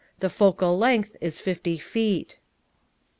The focal length is 50 feet.